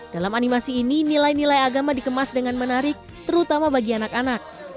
dalam animasi ini nilai nilai agama dikemas dengan menarik terutama bagi anak anak